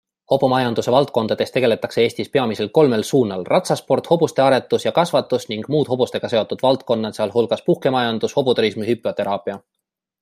Hobumajanduse valdkondadest tegeletakse Eestis peamiselt kolmel suunal - ratsasport, hobuste aretus ja kasvatus ning muud hobustega seotud valdkonnad, sh. puhkemajandus, hobuturism, hipoteraapia.